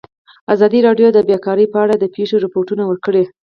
ازادي راډیو د بیکاري په اړه د پېښو رپوټونه ورکړي.